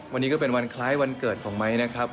วันนี้ก็เป็นวันคล้ายวันเกิดของไม้นะครับ